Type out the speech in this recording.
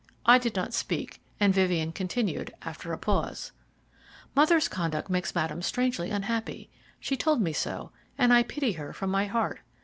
I did not speak, and Vivien continued, after a pause: "Mother's conduct makes Madame strangely unhappy. She told me so, and I pity her from my heart.